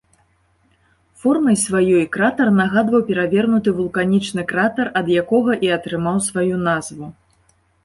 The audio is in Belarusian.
Формай сваёй кратар нагадваў перавернуты вулканічны кратар, ад якога і атрымаў сваю назву.